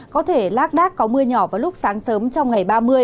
có thể lác đác có mưa nhỏ vào lúc sáng sớm trong ngày ba mươi